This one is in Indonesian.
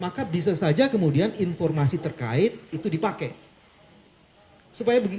maka bisa saja kemudian informasi terkait itu dipakai